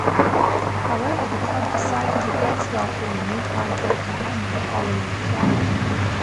However, the club decided against offering a new contract to Hammond following a trial.